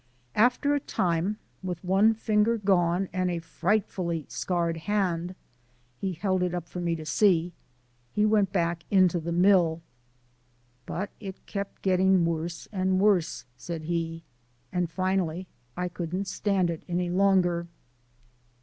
After a time, with one finger gone and a frightfully scarred hand he held it up for me to see he went back into the mill. "But it kept getting worse and worse," said he, "and finally I couldn't stand it any longer."